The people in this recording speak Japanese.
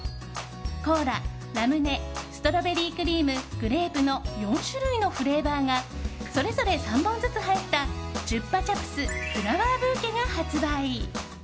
コーラ、ラムネストロベリークリームグレープの４種類のフレーバーがそれぞれ３本ずつ入ったチュッパチャプスフラワーブーケが発売。